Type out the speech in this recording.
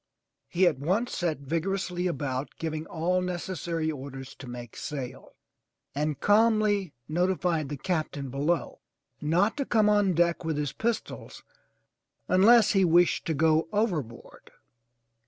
He at once set vigorously about giving all necessary orders to make sail, and calmly notified the Captain below not to come on deck with his pistols unless he wished to go overboard!